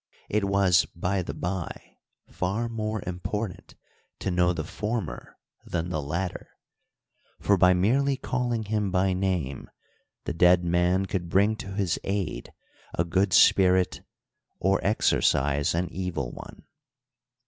It was, by the by, far more important to know the former than the latter, for by merely calling him by name the dead man could bring to his aid a good spirit or exorcise an evil one.